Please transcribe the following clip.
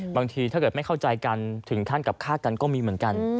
ถ้าเกิดไม่เข้าใจกันถึงขั้นกับฆ่ากันก็มีเหมือนกัน